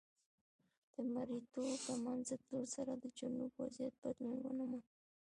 د مریتوب له منځه تلو سره د جنوب وضعیت بدلون ونه موند.